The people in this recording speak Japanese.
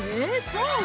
そう？